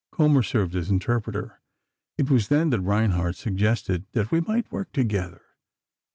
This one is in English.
Kommer served as interpreter. It was then that Reinhardt suggested that we might work together.